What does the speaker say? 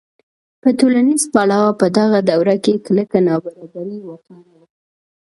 په ټولنیز پلوه په دغه دوره کې کلکه نابرابري واکمنه وه.